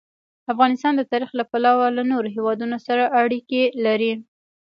افغانستان د تاریخ له پلوه له نورو هېوادونو سره اړیکې لري.